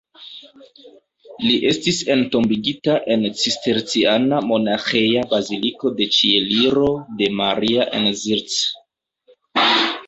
Li estis entombigita en Cisterciana Monaĥeja Baziliko de Ĉieliro de Maria en Zirc.